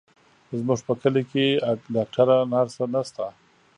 زموږ په کلي کې ډاکتره، نرسه نشته،